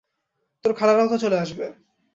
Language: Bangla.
তোর খালারাও তো চলে আসবে।